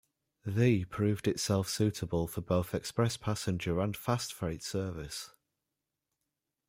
The proved itself suitable for both express passenger and fast freight service.